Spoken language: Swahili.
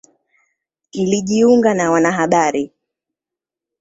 Nlijiunga na wanahabari.